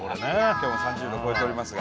今日も３０℃を超えておりますが。